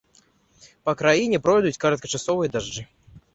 Па краіне пройдуць кароткачасовыя дажджы.